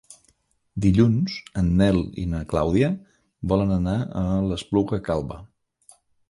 Dilluns en Nel i na Clàudia volen anar a l'Espluga Calba.